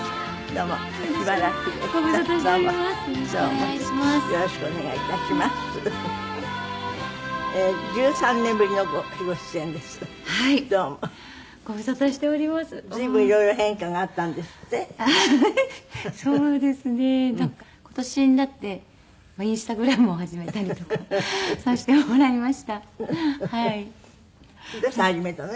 どうして始めたの？